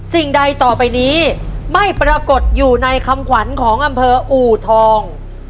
สิ่งใดต่อไปนี้ไม่ปรากฏอยู่ในคำขวัญของอำเภออูทอง